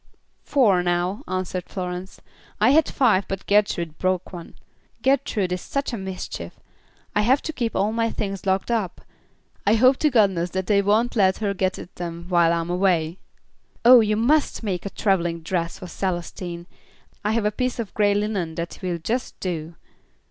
"Four, now," answered Florence. "I had five, but Gertrude broke one. Gertrude is such a mischief, I have to keep all my things locked up. I hope to goodness they won't let her get at them while I'm away." "Oh, you must make a traveling dress for your Celestine. I have a piece of grey linen that will just do."